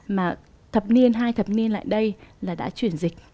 mà thập niên hai thập niên lại đây là đã chuyển dịch